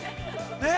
ねっ！